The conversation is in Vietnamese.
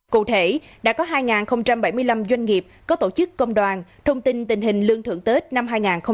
cụ thể đã có hai bảy mươi năm doanh nghiệp có tổ chức công đoàn thông tin tình hình lương thưởng tết năm hai nghìn hai mươi bốn